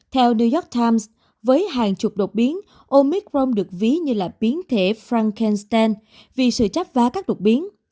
theo new york times với hàng chục đột biến omicron được ví như là biến thể frankenstein vì sự chấp vá các đột biến